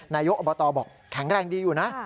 นายกอบตบอกแข็งแรงดีอยู่นะ